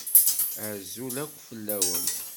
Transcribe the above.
Azul akk fell-awen.